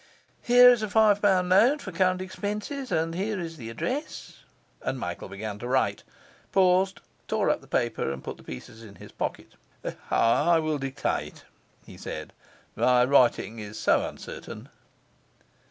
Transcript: Here is a five pound note for current expenses; and here is the address.' And Michael began to write, paused, tore up the paper, and put the pieces in his pocket. 'I will dictate,' he said, 'my writing is so uncertain.